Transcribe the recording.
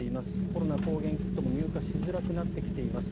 コロナ抗原キットも入荷しづらくなってきています。